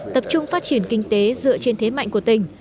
tập trung phát triển kinh tế dựa trên thế mạnh của tỉnh